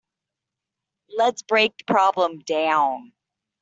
Let's break the problem down.